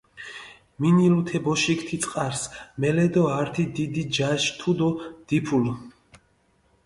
მინილუ თე ბოშიქ თი წყარს მელე დო ართი დიდი ჯაში თუდო დიფულჷ.